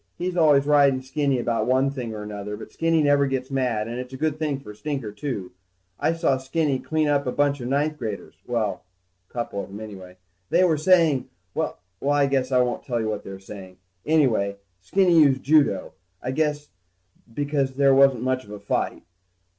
He's always riding Skinny about one thing or another, but Skinny never gets mad and it's a good thing for Stinker, too. I saw Skinny clean up on a bunch of ninth graders ... Well, a couple of them anyway. They were saying ... Well, I guess I won't tell you what they were saying. Anyway, Skinny used judo, I guess, because there wasn't much of a fight.